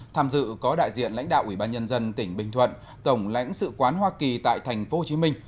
tham dự có đại diện lãnh đạo ủy ban nhân dân tỉnh bình thuận tổng lãnh sự quán hoa kỳ tại thành phố hồ chí minh